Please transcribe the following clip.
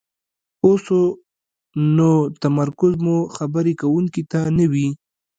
اوسو نو تمرکز مو خبرې کوونکي ته نه وي،